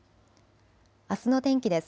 あすの天気です。